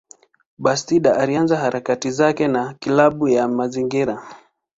Bastida alianza harakati zake na kilabu cha mazingira.